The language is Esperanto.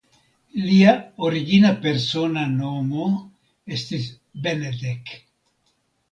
Lia origina persona nomo estis "Benedek".